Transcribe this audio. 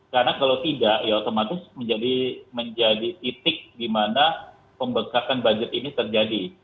karena kalau tidak ya otomatis menjadi titik di mana pembengkakan budget ini terjadi